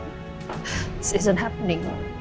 ini tidak berlaku